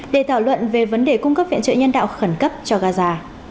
để thảo luận về vấn đề cung cấp viện trợ nhân đạo khẩn cấp cho gaza